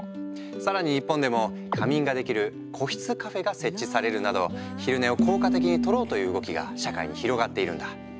更に日本でも仮眠ができる個室カフェが設置されるなど昼寝を効果的にとろうという動きが社会に広がっているんだ。